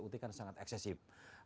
ut kan sangat eksesif